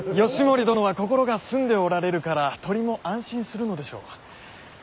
義盛殿は心が澄んでおられるから鳥も安心するのでしょう。